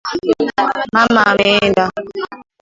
Mama ameenda